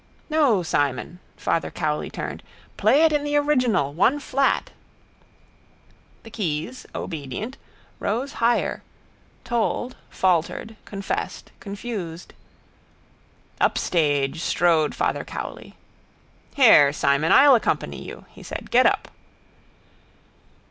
—No, Simon, Father Cowley turned. Play it in the original. One flat. The keys, obedient, rose higher, told, faltered, confessed, confused. Up stage strode Father Cowley. —Here, Simon, I'll accompany you, he said. Get up.